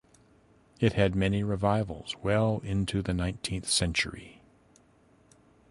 It had many revivals well into the nineteenth century.